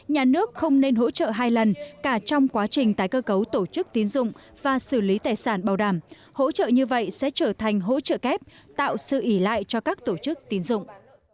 nhà nước không nên hỗ trợ hai lần cả trong quá trình tái cơ cấu tổ chức tín dụng và xử lý tài sản bảo đảm hỗ trợ như vậy sẽ trở thành hỗ trợ kép tạo sự ý lại cho các tổ chức tín dụng